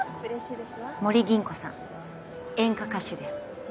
森銀子さん演歌歌手です。